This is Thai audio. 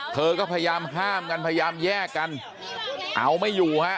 เธอก็พยายามห้ามกันพยายามแยกกันเอาไม่อยู่ฮะ